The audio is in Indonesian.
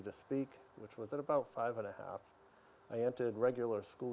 dan memastikan sekolah untuk mengambil